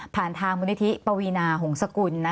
ทางมูลนิธิปวีนาหงษกุล